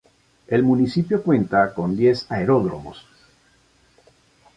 El municipio cuenta con diez aeródromos.